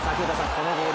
このゴール